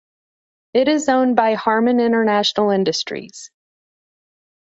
It is owned by Harman International Industries.